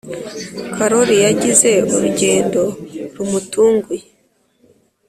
Karoli yagize urugendo rumutunguye.